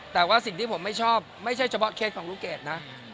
แต่ว่าสิ่งที่ผมไม่ชอบไม่ใช่เฉพาะเคสของลูกเกดนะ